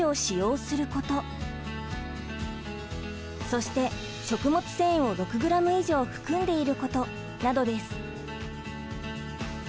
そして食物繊維を６ｇ以上含んでいることなどです。